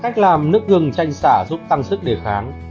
cách làm nước gừng tranh xả giúp tăng sức đề kháng